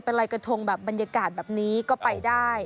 เป็นรอยกระทงแบบบรรยากาศแบบนี้ก็ไปได้